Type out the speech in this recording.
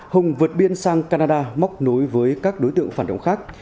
hùng vượt biên sang canada móc nối với các đối tượng phản động khác